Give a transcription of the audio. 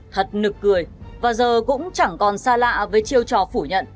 thật nực cười và giờ cũng chẳng còn xa lạ với chiêu trò phủ nhận